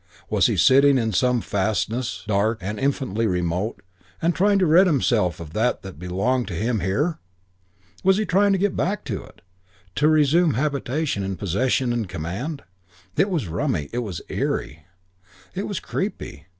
Was he sitting in some fastness, dark and infinitely remote, and trying to rid himself of this that belonged to him here? Was he trying to get back to it, to resume habitation and possession and command? It was rummy. It was eerie. It was creepy.